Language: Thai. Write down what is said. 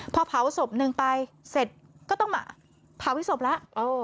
พอเผาศพหนึ่งไปเสร็จก็ต้องมาเผาให้ศพแล้ว